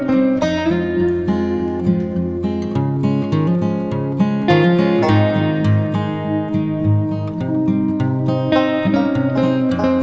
makanya itu menyesuaikan